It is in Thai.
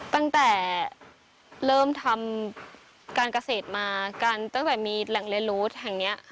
ตั้งแต่เริ่มทำการเกษตรมากันตั้งแต่มีแหล่งเรียนรู้แห่งนี้